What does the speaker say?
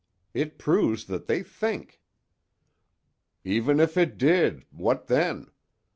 It proves that they think." "Even if it did—what then?